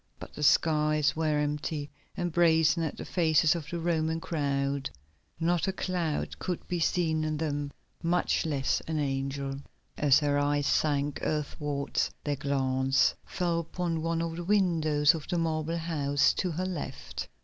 But the skies were empty and brazen as the faces of the Roman crowd; not a cloud could be seen in them, much less an angel. As her eyes sank earthwards their glance fell upon one of the windows of the marble house to her left.